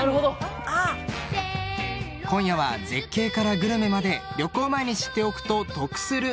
今夜は絶景からグルメまで旅行前に知っておくと得する